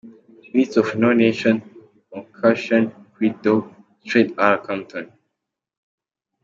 Beasts Of No Nation Concussion Creed Dope Straight Outta Compton.